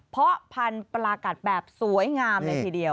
เพราะพันธุ์ปลากัดแบบสวยงามเลยทีเดียว